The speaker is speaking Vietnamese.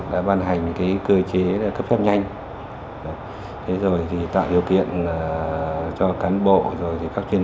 thực hiện hành cái cơ chế cấp phép nhanh thế rồi thì tạo điều kiện cho cán bộ rồi thì các chuyên